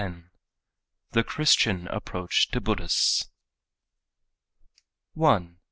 X THE CHRISTIAN APPROACH TO BUDDHISTS _1.